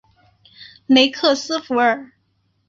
雷克斯弗尔。